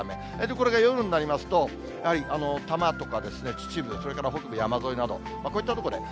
これが夜になりますと、多摩とか秩父、それから北部山沿いなど、こういった所で。